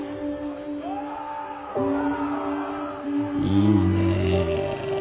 いいねえ。